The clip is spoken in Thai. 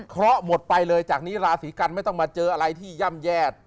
เพราะหมดไปเลยจากนี้ราศีกันไม่ต้องมาเจออะไรที่ย่ำแย่